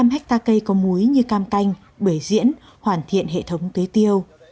bốn mươi năm hectare cây có múi như cam canh bể diễn hoàn thiện hệ thống tế tiêu